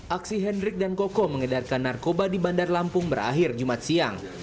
aksi hendrik dan koko mengedarkan narkoba di bandar lampung berakhir jumat siang